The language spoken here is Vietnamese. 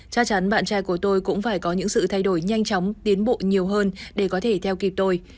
chắc chắn bạn trai của tôi cũng phải có những sự thay đổi nhanh chóng tiến bộ nhiều hơn để có thể theo kịp tôi